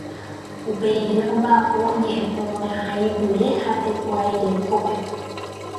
Uperire ombaʼapo ñeʼẽporãhaipyre ha tekuairekópe.